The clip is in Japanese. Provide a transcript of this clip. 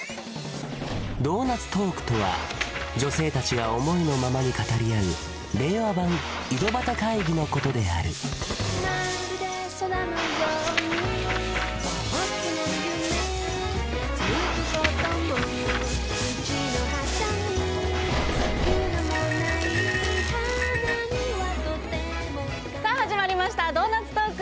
ドーナツトークとは女性達が思いのままに語り合う令和版井戸端会議のことであるさあ始まりました「ドーナツトーク」！